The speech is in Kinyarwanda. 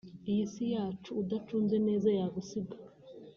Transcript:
iyi si yacu udacunze neza yagusiga